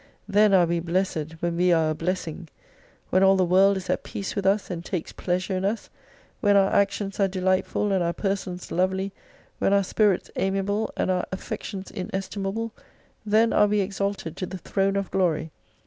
Then are we blessed when we are a blessing. When all the world is at peace with us and takes pleasure in us, when our actions are delightful, and our persons lovely, when our spirits amiable, and our affections inestimable, then are we exalted to the Throne of Glory.